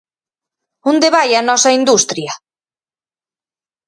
Onde vai a nosa industria?